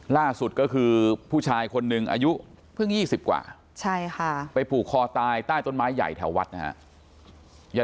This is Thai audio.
ล่าสุดก็คือผู้ชายคนหนึ่งอายุเพิ่ง๒๐กว่าไปผูกคอตายใต้ต้นไม้ใหญ่แถววัดนะครับ